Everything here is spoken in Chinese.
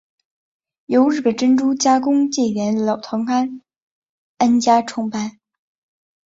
由日本珍珠加工界元老藤堂安家创办。